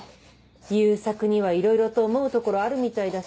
悠作にはいろいろと思うところあるみたいだし。